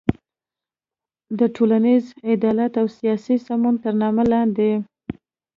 د ټولنیز عدالت او سیاسي سمون تر نامه لاندې